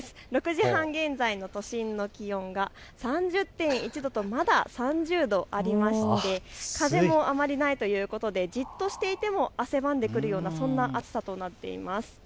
６時半現在の都心の気温が３０．１度とまだ３０度ありまして風もあまりないということでじっとしていても汗ばんでくるような暑さとなっています。